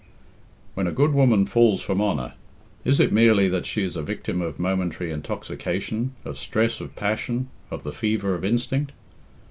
When a good woman falls from honour, is it merely that she is a victim of momentary intoxication, of stress of passion, of the fever of instinct?